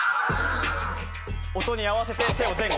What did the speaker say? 音に合わせて手を前後。